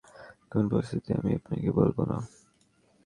কোন পরিস্থিতিতেই, আমি আপনাকে বলব না।